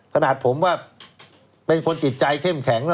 ขนาดผมว่าเป็นคนจิตใจเข้มแข็งแล้ว